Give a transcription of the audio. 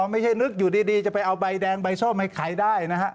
ไม่ใช่นึกอยู่ดีจะไปเอาใบแดงใบส้มให้ใครได้นะฮะ